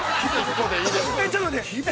◆ちょっと待って。